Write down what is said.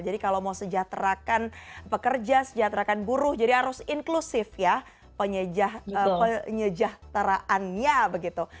jadi kalau mau sejahterakan pekerja sejahterakan buruh jadi harus inklusif ya penyejahteraannya begitu